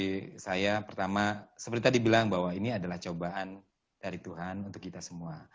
tetapi setiap cobaan pasti ada yang berbeda ya mas shofie jadi kalau dari saya pertama seperti tadi bilang bahwa ini adalah cobaan dari tuhan untuk kita semua